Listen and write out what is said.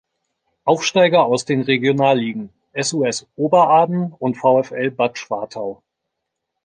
Aufsteiger aus den Regionalligen: SuS Oberaden und VfL Bad Schwartau.